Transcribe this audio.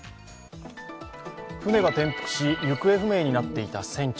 船が転覆し行方不明になっていた船長。